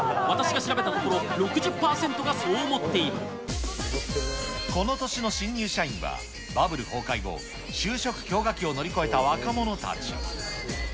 私が調べたところ、６０％がそうこの年の新入社員は、バブル崩壊後、就職氷河期を乗り越えた若者たち。